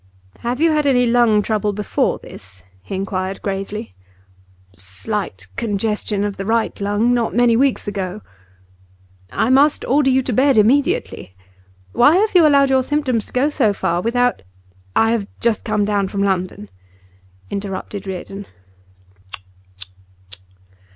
'Have you had any lung trouble before this?' he inquired gravely. 'Slight congestion of the right lung not many weeks ago.' 'I must order you to bed immediately. Why have you allowed your symptoms to go so far without ' 'I have just come down from London,' interrupted Reardon.